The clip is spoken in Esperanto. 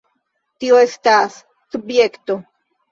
Tio estas... subjekto.